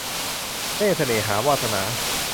เล่ห์เสน่หา - วาสนา